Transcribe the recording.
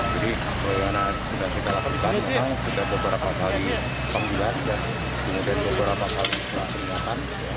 jadi kelayanan sudah kita lakukan sudah beberapa kali pembiayaan dan kemudian beberapa kali peringatan